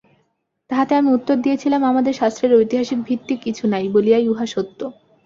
তাহাতে আমি উত্তর দিয়াছিলাম আমাদের শাস্ত্রের ঐতিহাসিক ভিত্তি কিছু নাই বলিয়াই উহা সত্য।